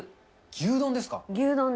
牛丼ですか？